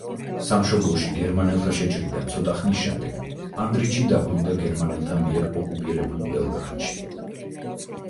სამშობლოში გერმანელთა შეჭრიდან ცოტა ხნის შემდეგ ანდრიჩი დაბრუნდა გერმანელთა მიერ ოკუპირებულ ბელგრადში.